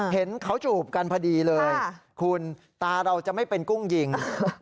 เห็นเขาจูบกันพอดีเลยคุณตาเราจะไม่เป็นกุ้งยิง